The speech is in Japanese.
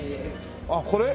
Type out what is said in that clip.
あっこれ？